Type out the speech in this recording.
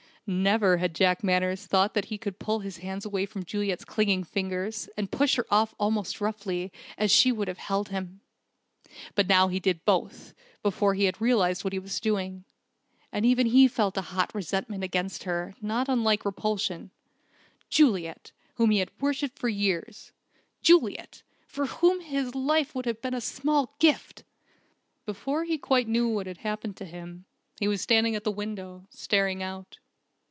Never had Jack Manners thought that he could pull his hands away from Juliet's clinging fingers, and push her off almost roughly, as she would have held him. But now he did both, before he had realized what he was doing. And he even felt a hot resentment against her, not unlike repulsion: Juliet, whom he had worshipped for years Juliet, for whom his life would have been a small gift! Before he quite knew what had happened to him, he was standing at the window, staring out.